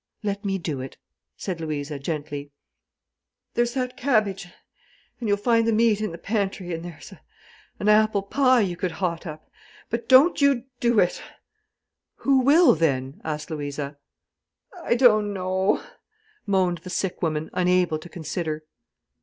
"Let me do it?" said Louisa, gently. "There's that cabbage—and you'll find the meat in the pantry—and there's an apple pie you can hot up. But don't you do it——!" "Who will, then?" asked Louisa. "I don't know," moaned the sick woman, unable to consider.